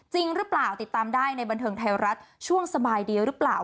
จริงหรือเปล่าติดตามได้ในบันเทิงไทยรัฐช่วงสบายดีหรือเปล่า